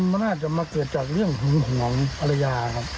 มันน่าจะมาเกิดจากเรื่องหึงหวงภรรยาครับ